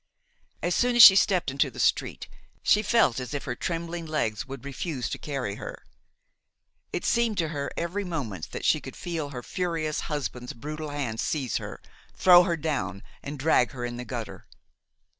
As soon as she stepped into the street she felt as if her trembling legs would refuse to carry her; it seemed to her every moment that she could feel her furious husband's brutal hand seize her, throw her down and drag her in the gutter.